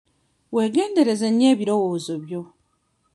Weegendereze nnyo ebirowoozo byo.